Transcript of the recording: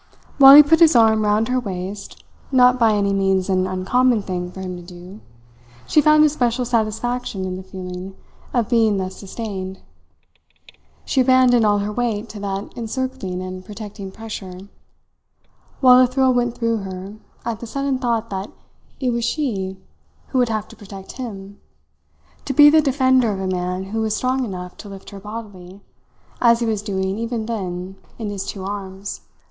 While he put his arm round her waist not by any means an uncommon thing for him to do she found a special satisfaction in the feeling of being thus sustained. She abandoned all her weight to that encircling and protecting pressure, while a thrill went through her at the sudden thought that it was she who would have to protect him, to be the defender of a man who was strong enough to lift her bodily, as he was doing even then in his two arms.